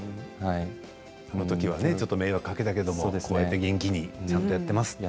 あのときは迷惑をかけたけどこうやって元気にちゃんとやっていますと。